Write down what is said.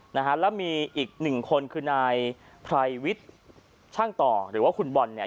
นะฮะแล้วมีอีกหนึ่งคนคือนายไพรวิทย์ช่างต่อหรือว่าคุณบอลเนี่ย